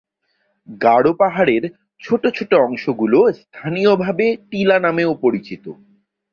গারো পাহাড়ের ছোট ছোট অংশগুলো স্থানীয়ভাবে টিলা নামেও পরিচিত।